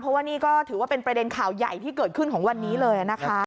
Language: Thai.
เพราะว่านี่ก็ถือว่าเป็นประเด็นข่าวใหญ่ที่เกิดขึ้นของวันนี้เลยนะคะ